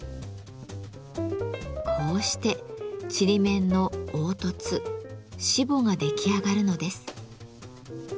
こうしてちりめんの凹凸しぼが出来上がるのです。